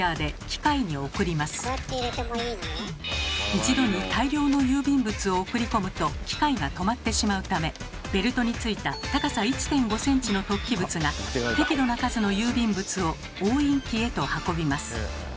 一度に大量の郵便物を送り込むと機械が止まってしまうためベルトについた高さ１．５ｃｍの突起物が適度な数の郵便物を押印機へと運びます。